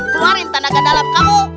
keluarin tenaga dalam kamu